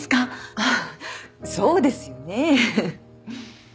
あっそうですよね。